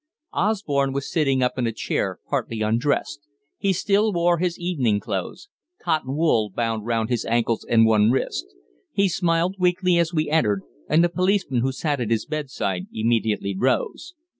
Osborne was sitting up in a chair, partly undressed he still wore his evening clothes cotton wool bound round his ankles and one wrist. He smiled weakly as we entered, and the policeman who sat at his bedside immediately rose.